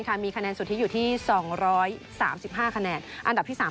ก็จะเมื่อวันนี้ตอนหลังจดเกม